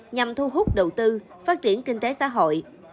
nhằm thu hút đầu tư phát triển kinh tế xã hội